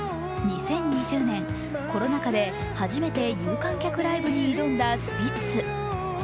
２０２０年、コロナ禍で初めて有観客ライブに挑んだスピッツ。